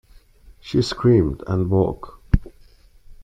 She screamed, and woke.